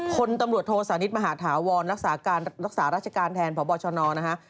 คนตำรวจโทสานิทมหาธาวรรักษาการรักษาราชการแทนพบชนนะฮะ